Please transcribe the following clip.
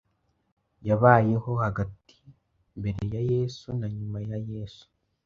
yabayeho hagati mbere ya Yesu na nyuma ya Yesu